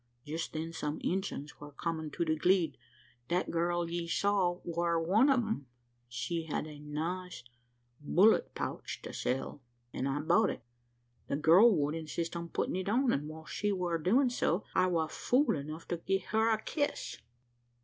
Jest then some Injuns war comin' through the gleed. That girl ye saw war one o' 'em. She had a nice bullet pouch to sell, an' I bought it. The girl would insist on puttin' it on; an' while she war doin' so, I war fool enough to gie her a kiss.